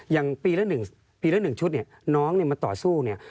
ยังปีละหนึ่งชุดนี่น้องมาต่อสู้